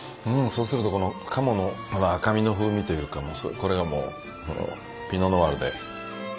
そうするとこの鴨のこの赤身の風味というかこれがもうピノ・ノワールで。